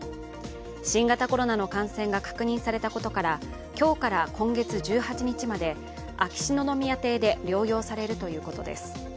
新型コロナの感染が確認されたことから今日から今月１８日まで秋篠宮邸で療養されるということです。